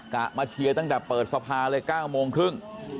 กะมาเชียร์ตั้งแต่เปิดสภาเลย๙โมงครึ่ง